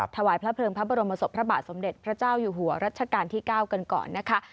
ถวายพระเพลิงพระบรมศพพระบาทสมเด็จพระเจ้าอยู่หัวรัชกาลที่๙กันก่อนนะคะ